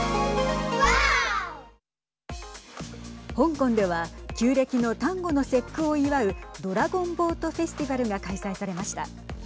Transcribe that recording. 香港では旧暦の端午の節句を祝うドラゴンボートフェスティバルが開催されました。